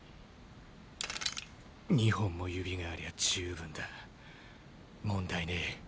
２本も指がありゃ十分だ問題ねぇ。